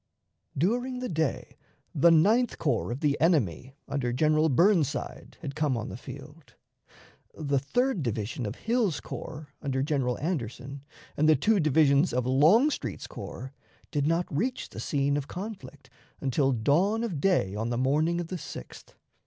During the day the Ninth Corps of the enemy under General Burnside, had come on the field. The third division of Hill's corps, under General Anderson, and the two divisions of Longstreet's corps, did not reach the scene of conflict until dawn of day on the morning of the 6th.